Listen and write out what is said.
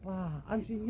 saya mau ngeri dulu ya